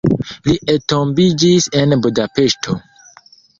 Li entombiĝis en Budapeŝto.